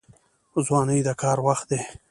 ځواني د کار وخت دی